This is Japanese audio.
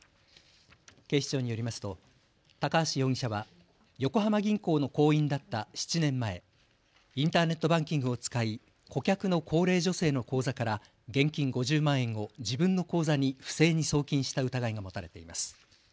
警視庁によりますと高橋容疑者は横浜銀行の行員だった７年前、インターネットバンキングを使い顧客の高齢女性の口座から現金５０万円を自分の口座に不正に送金した疑いが持たれています。